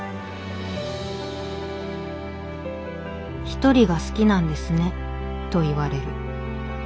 「『一人が好きなんですね』と言われる。